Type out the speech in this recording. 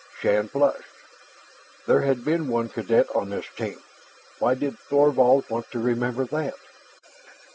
Shann flushed. There had been one cadet on this team; why did Thorvald want to remember that?